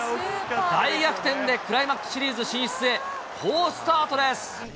大逆転でクライマックスシリーズ進出へ、好スタートです。